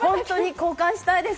交換したいです。